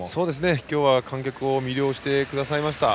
今日は観客を魅了してくださいました。